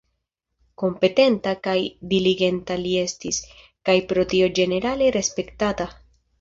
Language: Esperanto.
Kompetenta kaj diligenta li estis, kaj pro tio ĝenerale respektata.